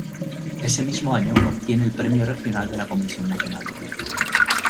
Ese mismo año obtiene el Premio Regional de la Comisión Nacional de Cultura.